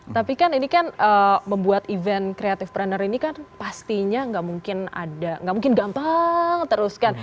tapi kan ini kan membuat event creative pruner ini kan pastinya nggak mungkin ada nggak mungkin gampang terus kan